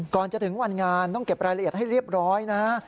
ก่อนจะถึงวันงานต้องเก็บรายละเอียดให้เรียบร้อยนะฮะ